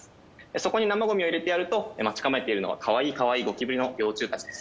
そこに生ゴミを入れてやると待ち構えているのはかわいいかわいいゴキブリの幼虫たちです。